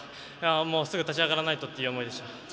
すぐ立ち上がらないとっていう思いでした。